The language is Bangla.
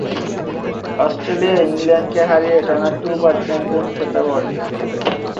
অস্ট্রেলিয়া ইংল্যান্ডকে হারিয়ে টানা দুবার চ্যাম্পিয়ন খেতাব অর্জন করে।